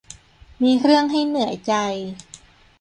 มีเรื่องให้เหนื่อยใจ